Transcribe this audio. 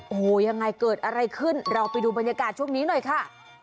โอ้โหยังไงเกิดอะไรขึ้นเราไปดูบรรยากาศช่วงนี้หน่อยค่ะ